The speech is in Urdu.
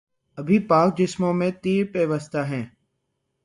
ابھی پاک جسموں میں تیر پیوستہ ہیں